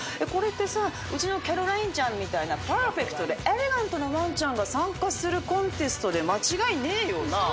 これってさうちのキャロラインちゃんみたいなパーフェクトでエレガントなワンちゃんが参加するコンテストで間違いねえよな？